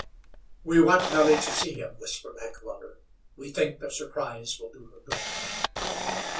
"We want Nellie to see him," whispered Heckewelder. "We think the surprise will do her good."